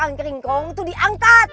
kering kering kering itu diangkat